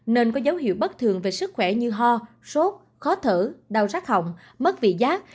nên có dấu hiệu bất thường về sức khỏe như ho sốt khó thở đau rắc hỏng mất vị giác